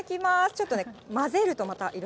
ちょっとね、混ぜるとまた色が。